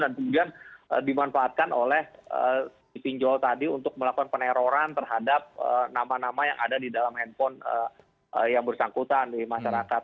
dan kemudian dimanfaatkan oleh pinjol tadi untuk melakukan peneroran terhadap nama nama yang ada di dalam handphone yang bersangkutan di masyarakat